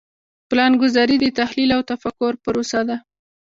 پلانګذاري د تحلیل او تفکر پروسه ده.